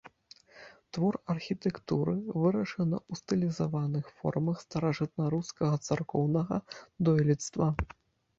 Твор архітэктуры, вырашаны ў стылізаваных формах старажытнарускага царкоўнага дойлідства.